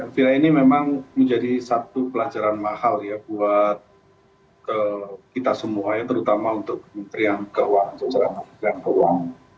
pilihan ini memang menjadi satu pelajaran mahal ya buat kita semuanya terutama untuk kementerian keuangan